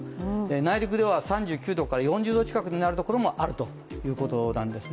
内陸では３９度から４０度近くになるところもあるというところなんですね。